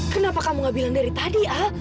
kenapa kamu gak bilang dari tadi al